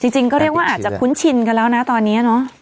จริงก็เรียกว่าอาจจะคุ้นชินกันแล้วนะตอนนี้เนอะ